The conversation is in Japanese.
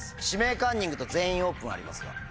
「指名カンニング」と「全員オープン」ありますが。